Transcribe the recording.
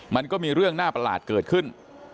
มันก็มีเรื่องน่าประหลาดเกิดขึ้น